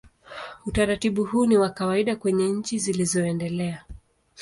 Utaratibu huu ni wa kawaida kwenye nchi zilizoendelea.